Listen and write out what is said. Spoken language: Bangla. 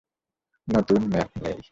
নতুন ম্যাপ নেই?